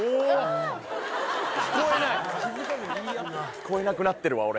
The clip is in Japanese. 聞こえなくなってるわ俺。